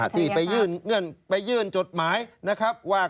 ที่ไปยื่นง่วงไปยื่นจดหมายว่า